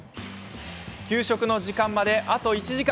給食の時間まで、あと１時間。